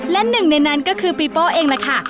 และหนึ่งในนั้นก็คือปีโป้เองล่ะค่ะ